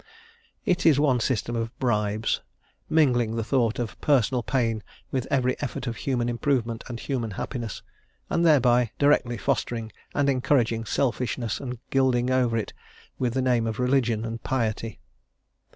It is one system of bribes, mingling the thought of personal pain with every effort of human improvement and human happiness, and thereby directly fostering and encouraging selfishness and gilding it over with the name of religion and piety.